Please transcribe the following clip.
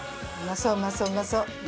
そううまそううまそう！